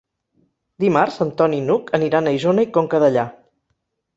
Dimarts en Ton i n'Hug aniran a Isona i Conca Dellà.